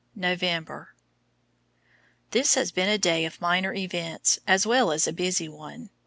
November ? This has been a day of minor events, as well as a busy one.